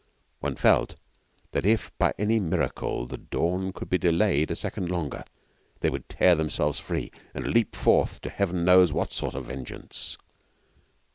One felt that if by any miracle the dawn could be delayed a second longer, they would tear themselves free, and leap forth to heaven knows what sort of vengeance.